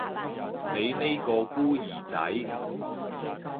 你呢個孤兒仔